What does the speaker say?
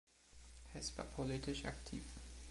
Heß war politisch aktiv.